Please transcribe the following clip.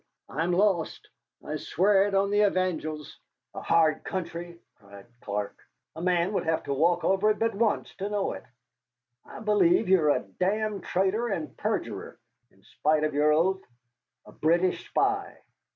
"I'm lost. I swear it on the evangels." "A hard country!" cried Clark. "A man would have to walk over it but once to know it. I believe you are a damned traitor and perjurer, in spite of your oath, a British spy."